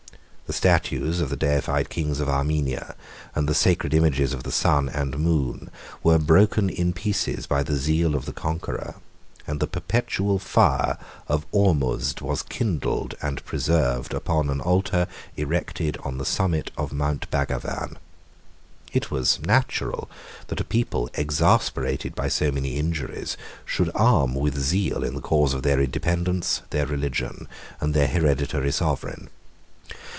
The statues of the deified kings of Armenia, and the sacred images of the sun and moon, were broke in pieces by the zeal of the conqueror; and the perpetual fire of Ormuzd was kindled and preserved upon an altar erected on the summit of Mount Bagavan. 55 It was natural, that a people exasperated by so many injuries, should arm with zeal in the cause of their independence, their religion, and their hereditary sovereign.